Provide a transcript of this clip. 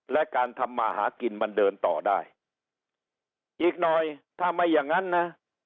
และการทำมาหากินมันเดินต่อได้อีกหน่อยถ้าไม่อย่างนั้นนะ